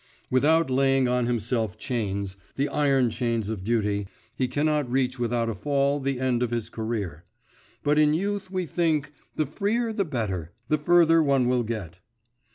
Without laying on himself chains, the iron chains of duty, he cannot reach without a fall the end of his career. But in youth we think the freer the better, the further one will get.